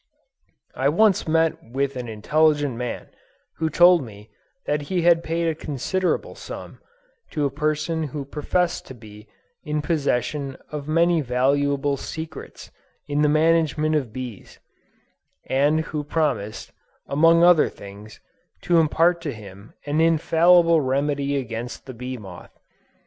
I once met with an intelligent man who told me that he had paid a considerable sum, to a person who professed to be in possession of many valuable secrets in the management of bees, and who promised, among other things, to impart to him an infallible remedy against the bee moth.